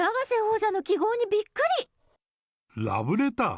ラブレター？